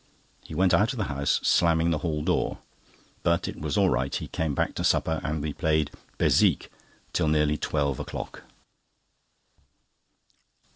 He went out of the house, slamming the hall door. But it was all right. He came back to supper, and we played Bézique till nearly twelve o'clock.